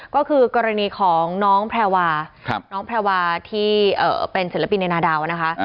ก็คือกรณีของน้องแพรวาน้องแพรวาที่เป็นศิลปินในนาดาวนะคะ